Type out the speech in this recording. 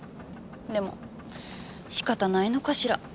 でもしかたないのかしら。